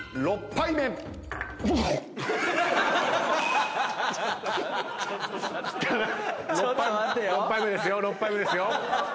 ６杯目ですよ。